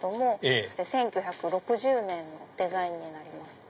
１９６０年のデザインになります。